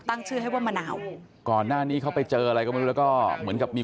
ตั้งชื่อให้ว่ามะนาวก่อนหน้านี้เขาไปเจออะไรก็ไม่รู้แล้วก็เหมือนกับมี